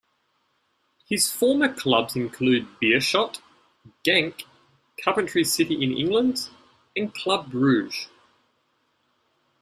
His former clubs include Beerschot, Genk, Coventry City in England and Club Brugge.